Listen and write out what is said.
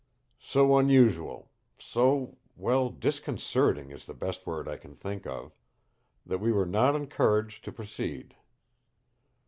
"So unusual, so well, disconcerting is the best word I can think of, that we were not encouraged to proceed.